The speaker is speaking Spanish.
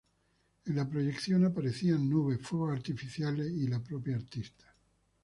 En la proyección aparecían nubes, fuegos artificiales y la propia artista.